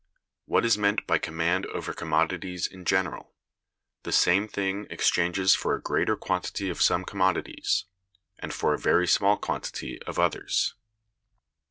What is meant by command over commodities in general? The same thing exchanges for a greater quantity of some commodities, and for a very small quantity of others.